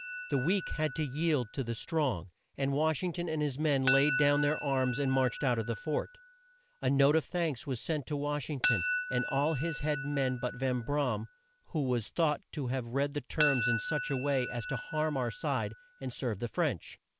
The weak had to yield to the strong, and Wash ing ton and his men laid down their arms and marched out of the fort. A note of thanks was sent to Wash ing ton, and all his head men but Van Bra am, who was thought to have read the terms in such a way as to harm our side and serve the French.